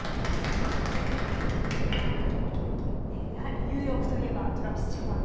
やはりニューヨークといえばＴｒａｖｉｓＪａｐａｎと。